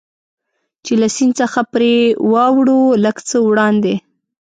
چې له سیند څخه پرې واوړو، لږ څه وړاندې.